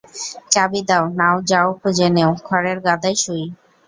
চাবি দাও - নাও যাও খুঁজে নেও, খড়ের গাদায় সুই।